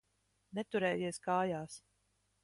Neturējies kājās.